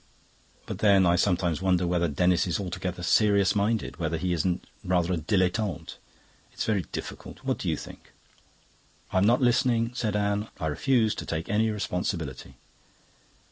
But then, I sometimes wonder whether Denis is altogether serious minded, whether he isn't rather a dilettante. It's very difficult. What do you think?" "I'm not listening," said Anne. "I refuse to take any responsibility."